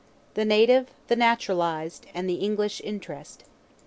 THE NATIVE, THE NATURALIZED, AND "THE ENGLISH INTEREST."